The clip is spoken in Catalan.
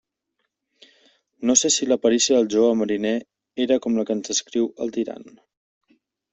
No sé si la perícia del jove mariner era com la que ens descriu el Tirant.